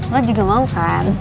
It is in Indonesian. lo juga mau kan